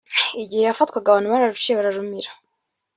” Igihe yafatwaga abantu bararuciye bararumira